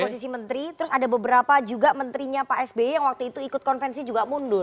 posisi menteri terus ada beberapa juga menterinya pak sby yang waktu itu ikut konvensi juga mundur